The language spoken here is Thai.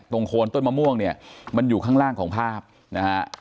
โคนต้นมะม่วงเนี่ยมันอยู่ข้างล่างของภาพนะฮะ